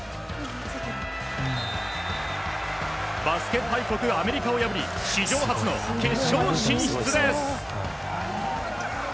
バスケ大国アメリカを破り史上初の決勝進出です。